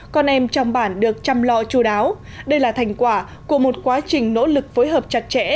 con em trong bản được chăm lo chú đáo đây là thành quả của một quá trình nỗ lực phối hợp chặt chẽ